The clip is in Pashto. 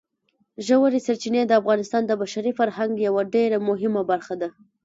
ژورې سرچینې د افغانستان د بشري فرهنګ یوه ډېره مهمه برخه ده.